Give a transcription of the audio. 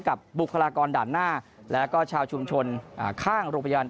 บุคลากรด่านหน้าแล้วก็ชาวชุมชนข้างโรงพยาบาล